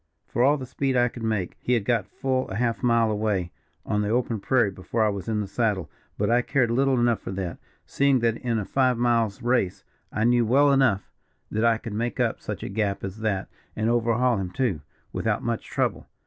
For all the speed I could make, he had got full a half mile away on the open prairie before I was in the saddle; but I cared little enough for that, seeing that in a five miles' race, I knew well enough that I could make up such a gap as that, and overhaul him, too, without much trouble.